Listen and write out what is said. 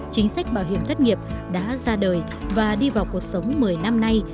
chính sách bảo hiểm thất nghiệp đã ra đời và đi vào cuộc sống một mươi năm nay